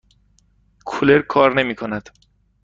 کولر کار نمی کند.